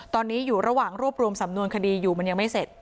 ตอนนี้อยู่ระหว่างรวบรวมสำนวนคดีอยู่มันยังไม่เสร็จ